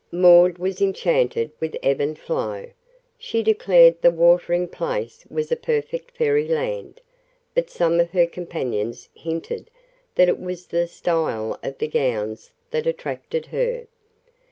Maud was enchanted with Ebbinflow. She declared the watering place was a perfect fairyland, but some of her companions hinted that it was the style of the gowns that attracted her.